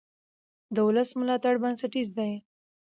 د ولس ملاتړ بنسټیز دی